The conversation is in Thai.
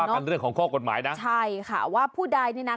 กันเรื่องของข้อกฎหมายนะใช่ค่ะว่าผู้ใดนี่นะ